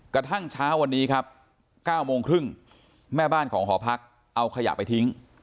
กระทั่งเช้าวันนี้ครับ๙โมงครึ่งแม่บ้านของหอพักเอาขยะไปทิ้ง